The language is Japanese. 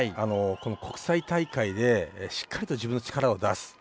この国際大会でしっかりと自分の力を出す。